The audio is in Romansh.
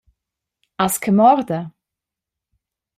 Has che morda?